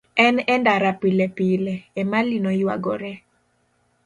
En e ndara pilepile, Emali noyuagore.